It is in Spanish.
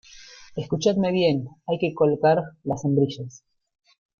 escuchadme bien, hay que colocar las hembrillas